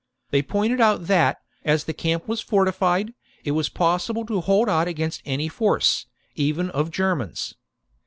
They pointed out that, as the camp was fortified, it was possible to hold out against any force, even of Germans.